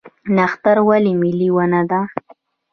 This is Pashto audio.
نښتر ولې ملي ونه ده؟